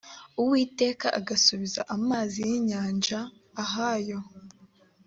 uwiteka agasubiza amazi y inyanja ahayo